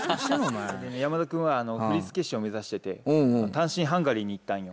山田君は振り付け師を目指してて単身ハンガリーに行ったんよ。